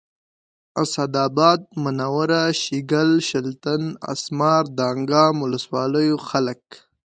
اسداباد منوره شیګل شلتن اسمار دانګام ولسوالیو خلک